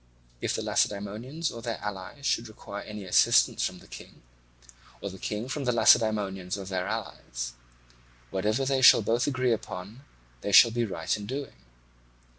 If the Lacedaemonians or their allies should require any assistance from the King, or the King from the Lacedaemonians or their allies, whatever they both agree upon they shall be right in doing.